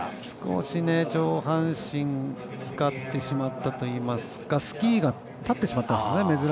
少し上半身使ってしまったといいますかスキーが立ってしまったんですね。